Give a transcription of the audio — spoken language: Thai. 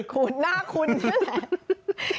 คุณหน้าคุณนี่แหละ